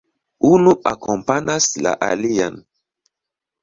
Unu akompanas la alian.